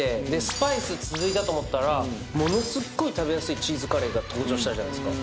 スパイス続いたと思ったらものすごい食べやすいチーズカレーが登場したじゃないですか。